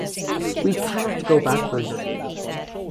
We cannot go backwards.